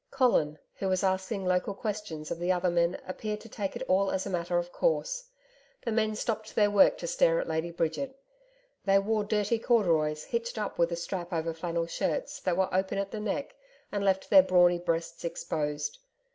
Colin, who was asking local questions of the other men appeared to take it all as a matter of course. The men stopped their work to stare at Lady Bridget. They wore dirty corduroys hitched up with a strap over flannel shirts that were open at the neck and left their brawny breasts exposed.